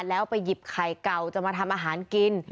แล้วไปหยิบไข่เก่าจะมาทำอาหารกิน